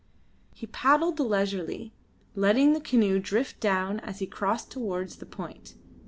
He paddled leisurely, letting the canoe drift down as he crossed towards the point.